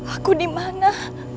aku di mana